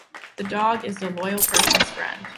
The dog is the loyal person’s friend.